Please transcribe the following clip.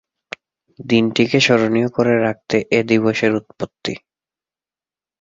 দিনটিকে স্মরণীয় করে রাখতে এ দিবসের উৎপত্তি।